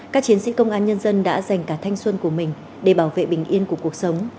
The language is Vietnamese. các chiến sĩ công an nhân dân đã dành cả thanh xuân của mình để bảo vệ bình yên của cuộc sống